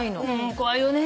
怖いよね。